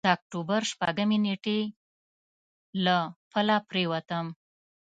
د اکتوبر شپږمې نېټې له پله پورېوتم.